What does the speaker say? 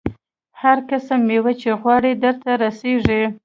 هر قسم مېوه چې وغواړې درته رسېږي.